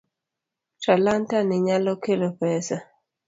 Talanta ni nyalo kelo pesa.